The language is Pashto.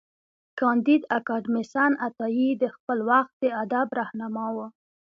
کانديد اکاډميسن عطايي د خپل وخت د ادب رهنما و.